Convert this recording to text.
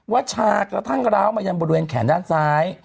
วัดฉากกระทั่งกระดาษมาจนบนดูเองแขนด้านซ้าย